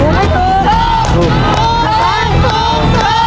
ถูกไม่ถูก